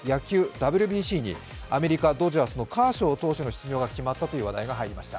ＷＢＣにアメリカ・ドジャースのカーショウ投手の出場が決まったという話題が入りました。